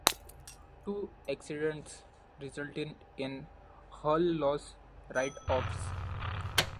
Two accidents resulted in hull loss write-offs.